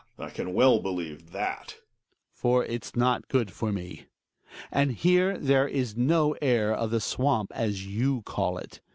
I can well believe that ! Hjalmar. For it's not good for me. And here there is no air of the swamp as you call it.